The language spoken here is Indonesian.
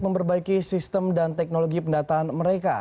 memperbaiki sistem dan teknologi pendataan mereka